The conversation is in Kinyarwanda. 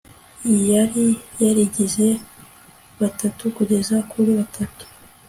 Yari yarigize batatu kugeza kuri batatu